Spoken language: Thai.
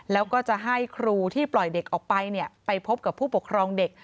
แล้วก็จะให้ครูที่ปล่อยเด็กออกไปไปพบกับผู้ปกครองเด็ก